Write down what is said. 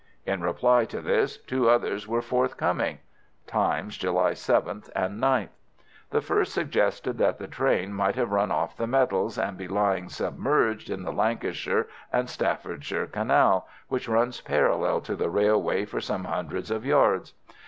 In reply to this two others were forthcoming (Times, July 7th and 9th). The first suggested that the train might have run off the metals and be lying submerged in the Lancashire and Staffordshire Canal, which runs parallel to the railway for some hundreds of yards.